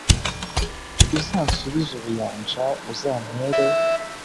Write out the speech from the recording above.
uzansubize ubuyanja, uzantere